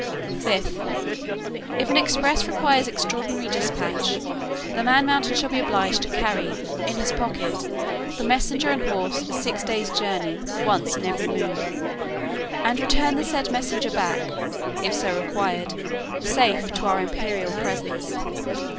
"5th, If an express requires extraordinary despatch, the man mountain shall be obliged to carry, in his pocket, the messenger and horse a six days journey, once in every moon, and return the said messenger back (if so required) safe to our imperial presence.